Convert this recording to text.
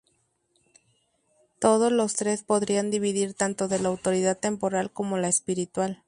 Todos los tres podrían dividir tanto de la autoridad temporal, como la espiritual.